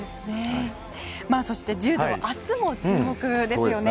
そして、柔道は明日も注目ですね。